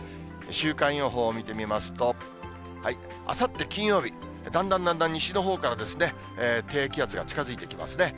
週間予報を見てみますと、あさって金曜日、だんだんだんだん西のほうから、低気圧が近づいてきますね。